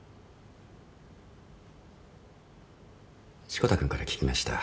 志子田君から聞きました。